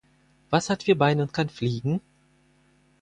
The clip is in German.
Was hat vier Beine und kann fliegen?